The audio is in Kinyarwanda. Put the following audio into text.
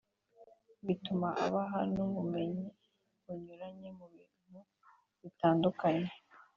bituma abaha n’ubumenyi bunyuranye mu bintu bitandukanye